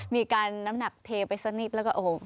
มีการน้ำหนักเทไปสักนิดแล้วก็โอ้โห